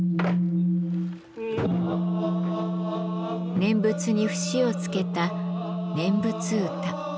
念仏に節をつけた念仏歌。